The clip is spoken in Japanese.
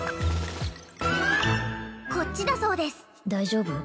こっちだそうです大丈夫？